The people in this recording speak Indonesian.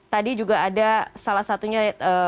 tadi juga ada salah satunya